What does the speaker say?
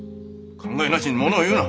考えなしにものを言うな。